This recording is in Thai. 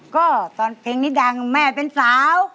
ก็ตอนเพลงนี้ดังแม่เป็นสาว